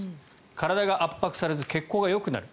体が圧迫されず血行がよくなる。